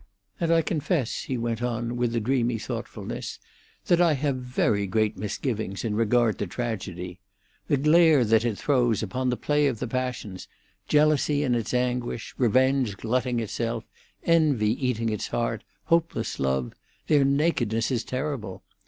And I confess," he went on, with a dreamy thoughtfulness, "that I have very great misgivings in regard to tragedy. The glare that it throws upon the play of the passions—jealousy in its anguish, revenge glutting itself, envy eating its heart, hopeless love—their nakedness is terrible.